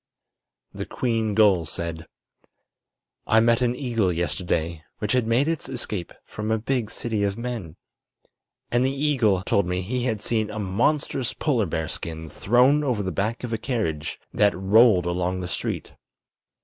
The queen gull said: "I met an eagle yesterday, which had made its escape from a big city of men. And the eagle told me he had seen a monstrous polar bear skin thrown over the back of a carriage that rolled along the street.